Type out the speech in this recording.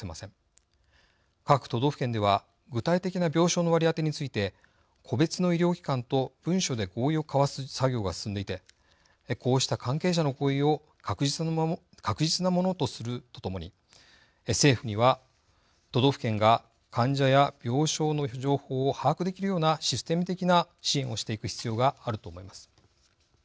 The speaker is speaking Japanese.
各都道府県では具体的な病床の割り当てについて個別の医療機関と文書で合意を交わす作業が進んでいてこうした関係者の合意を確実なものとするとともに政府には都道府県が患者や病床の情報を把握できるようなシステム的な支援をしていく必要があると思います。